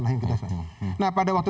sakit yang lain lain nah pada waktu